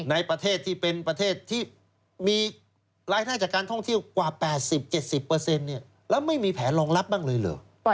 ในประเทศที่เป็นประเทศที่มีรายได้จากการท่องเที่ยวกว่า๘๐๗๐แล้วไม่มีแผนรองรับบ้างเลยเหรอ